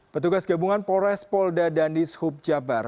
petugas gabungan polres polda dan dishub jabar